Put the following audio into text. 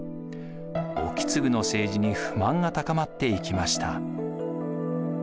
意次の政治に不満が高まっていきました。